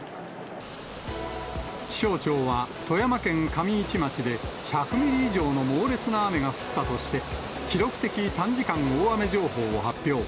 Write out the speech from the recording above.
気象庁は富山県上市町で１００ミリ以上の猛烈な雨が降ったとして、記録的短時間大雨情報を発表。